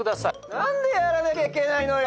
なんでやらなきゃいけないのよ。